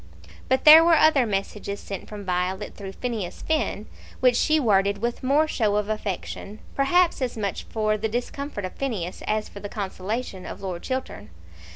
But there were other messages sent from Violet through Phineas Finn which she worded with more show of affection, perhaps as much for the discomfort of Phineas as for the consolation of Lord Chiltern.